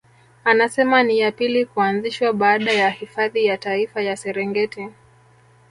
Anasema ni ya pili kuanzishwa baada ya Hifadhi ya Taifa ya Serengeti